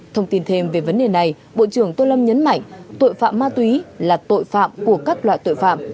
thông tin thêm về vấn đề này bộ trưởng tô lâm nhấn mạnh tội phạm ma túy là tội phạm của các loại tội phạm